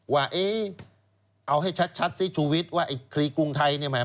ว่าเอาให้ชัดซิชูวิทย์ว่าไอ้คลีกรุงไทยเนี่ยแหม